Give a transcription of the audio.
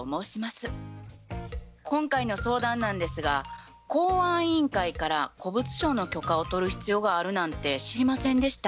今回の相談なんですが公安委員会から古物商の許可を取る必要があるなんて知りませんでした。